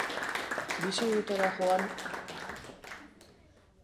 Bisigutara joan.